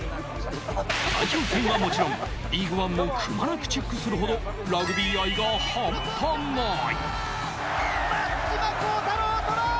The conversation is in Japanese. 代表戦はもちろん、リーグワンもくまなくチェックするほど、ラグビー愛が半端ない。